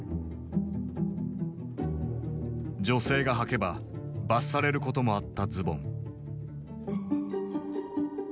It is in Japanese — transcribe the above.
女性がはけば罰されることもあったズボン。